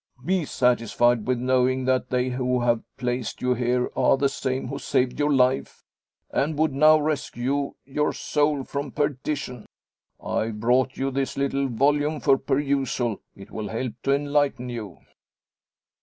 Be satisfied with knowing, that they who have placed you here are the same who saved your life, and would now rescue your soul from perdition. I've brought you this little volume for perusal. It will help to enlighten you."